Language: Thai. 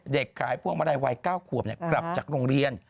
เด็กขายพวกเมื่อไรวัย๙ขวบเนี่ยกลับจากโรงเรียน